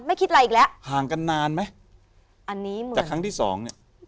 คิดอะไรอีกแล้วห่างกันนานไหมอันนี้เหมือนแต่ครั้งที่สองเนี้ย